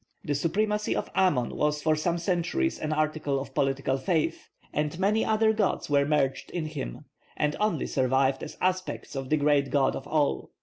The supremacy of Amon was for some centuries an article of political faith, and many other gods were merged in him, and only survived as aspects of the great god of all.